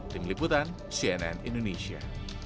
tim liputan cnn indonesia